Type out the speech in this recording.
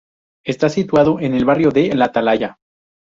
Está situado en el barrio de la Atalaya.